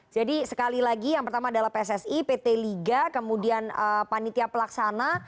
jadi sekali lagi yang pertama adalah pssi pt liga kemudian panitia pelaksana